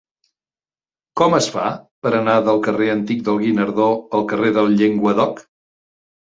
Com es fa per anar del carrer Antic del Guinardó al carrer del Llenguadoc?